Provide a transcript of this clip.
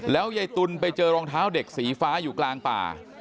ยายตุลไปเจอรองเท้าเด็กสีฟ้าอยู่กลางป่า